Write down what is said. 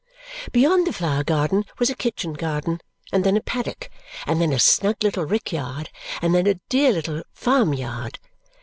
Beyond the flower garden was a kitchen garden, and then a paddock, and then a snug little rick yard, and then a dear little farm yard.